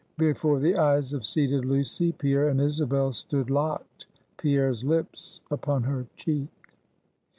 Before the eyes of seated Lucy, Pierre and Isabel stood locked; Pierre's lips upon her cheek.